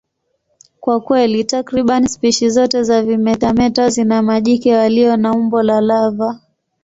Kwa kweli, takriban spishi zote za vimetameta zina majike walio na umbo la lava.